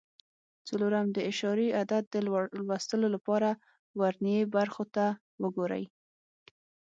څلورم: د اعشاري عدد د لوستلو لپاره ورنیي برخو ته وګورئ.